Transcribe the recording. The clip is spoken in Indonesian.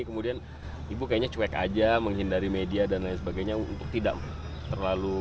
kemudian ibu kayaknya cuek aja menghindari media dan lain sebagainya untuk tidak terlalu